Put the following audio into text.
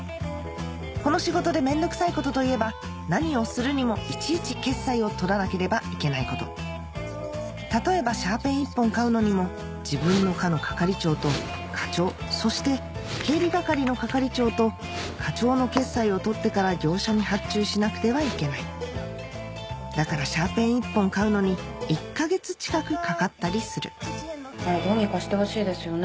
この仕事でめんどくさいことといえば何をするにもいちいち決裁を取らなければいけないこと例えばシャーペン１本買うのにも自分の課の係長と課長そして経理係の係長と課長の決裁を取ってから業者に発注しなくてはいけないだからシャーペン１本買うのに１か月近くかかったりするあれどうにかしてほしいですよね。